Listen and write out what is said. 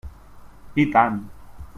I tant!